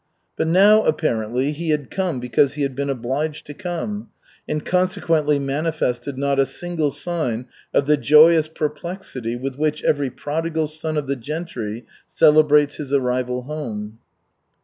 But now, apparently, he had come because he had been obliged to come, and consequently manifested not a single sign of the joyous perplexity with which every prodigal son of the gentry celebrates his arrival home.